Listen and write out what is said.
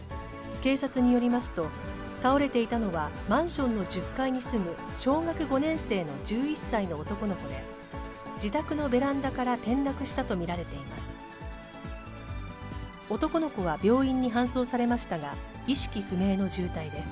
警察によりますと、倒れていたのは、マンションの１０階に住む小学５年生の１１歳の男の子で、自宅のベランダから転落したと見られています。